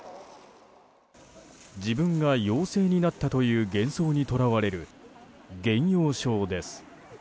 自分が陽性になったという幻想にとらわれる幻陽症です。